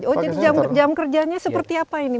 oh jadi jam kerjanya seperti apa ini